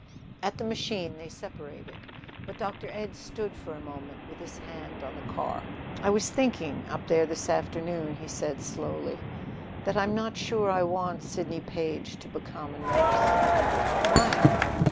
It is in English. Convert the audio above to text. At the machine they separated. But Dr. Ed stood for a moment with his hand on the car. "I was thinking, up there this afternoon," he said slowly, "that I'm not sure I want Sidney Page to become a nurse." "Why?"